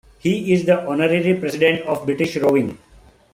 He is the honorary president of British Rowing.